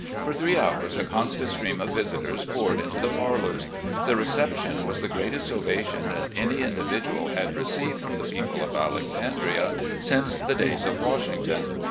For three hours a constant stream of visitors poured into the parlours. The reception was the greatest ovation that any individual had received from the people of Alexandria since the days of Washington.